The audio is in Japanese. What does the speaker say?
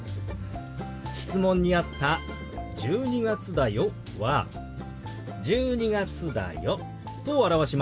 質問にあった「１２月だよ」は「１２月だよ」と表しますよ。